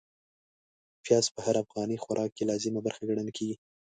پياز په هر افغاني خوراک کې لازمي برخه ګڼل کېږي.